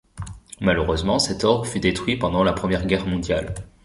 Malheureusement cet orgue fut détruit pendant la Première Guerre mondiale.